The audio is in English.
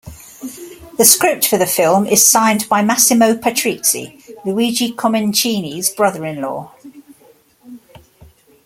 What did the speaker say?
The script for the film is signed by Massimo Patrizi, Luigi Comencini's brother-in-law.